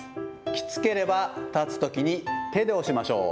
きつければ立つときに手で押しましょう。